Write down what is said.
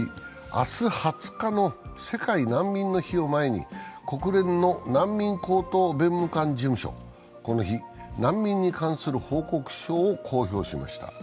明日２０日の世界難民の日を前に国連の難民高等弁務官事務所、この日、難民に関する報告書を公表しました。